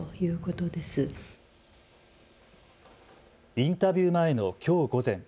インタビュー前のきょう午前。